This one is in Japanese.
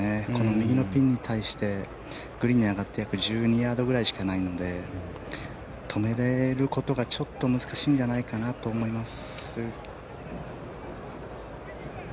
右のピンに対してグリーンに上がって約１２ヤードくらいしかないので止めることがちょっと難しいんじゃないかなと思います。